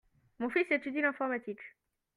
Mon fils étudie l'informatique.